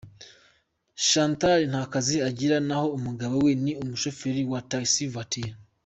Chantal nta kazi agira naho umugabo we ni umushoferi wa Taxi voiture.